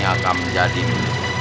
akan menjadi milikmu